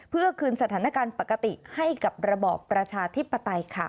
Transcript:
เพื่อคืนสถานการณ์ปกติให้กับระบอบประชาธิปไตยค่ะ